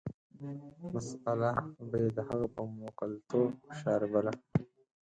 مساله به یې د هغه په موکلتوب شاربله.